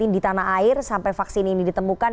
di tanah air sampai vaksin ini ditemukan